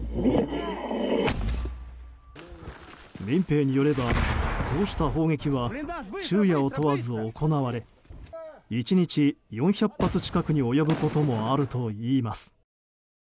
民兵によれば、こうした砲撃は昼夜を問わず行われ１日４００発近くに及ぶこともあるといいます。